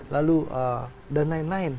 lalu dan lain lain